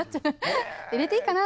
入れていいかな！